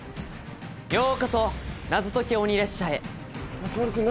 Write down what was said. ようこそ謎解き鬼列車へ。